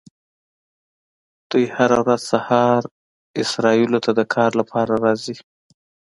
دوی هره ورځ سهار اسرائیلو ته د کار لپاره راځي.